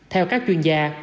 theo các chuyên gia